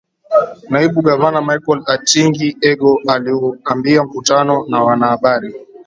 Naibu Gavana Michael Atingi-Ego aliuambia mkutano wa wanahabari.